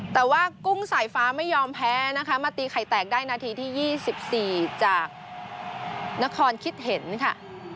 แต่ว่ากุ้งสายฟ้าไม่ยอมแพ้นะคะมาตีไข่แตกได้นาทีที่๒๔จากนครคิดเห็นค่ะ